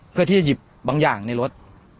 เพื่อที่จะหยิบบางอย่างในรถ